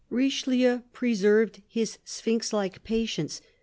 Richelieu preserved his sphinx like patience.